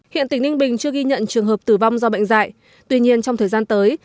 hiện tỉnh ninh bình chưa ghi nhận trường hợp tử vong do bệnh dạy tuy nhiên trong thời gian tới